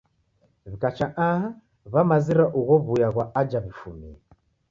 W'ikacha aha w'amazira ugho w'uya ghwa aja w'ifumie.